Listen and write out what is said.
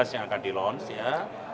yang akan di launch ya